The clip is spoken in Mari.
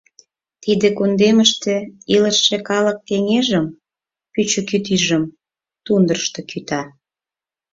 Тиде кундемыште илыше калык кеҥежым пӱчӧ кӱтӱжым тундрышто кӱта.